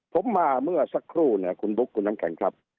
ผมมาเมื่อสักครู่เนี่ยคุณบุ๊คคุณน้ำแข็งครับ